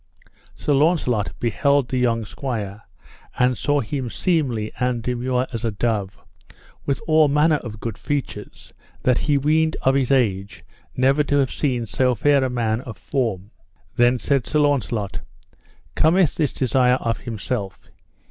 Sir Launcelot beheld the young squire and saw him seemly and demure as a dove, with all manner of good features, that he weened of his age never to have seen so fair a man of form. Then said Sir Launcelot: Cometh this desire of himself?